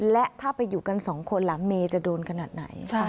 และถ้าไปอยู่กันสองคนหลังเมย์จะโดนขนาดไหน